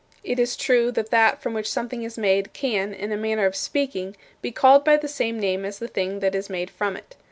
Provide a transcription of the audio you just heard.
It is true that that from which something is made can, in a manner of speaking, be called by the same name as the thing that is made from it.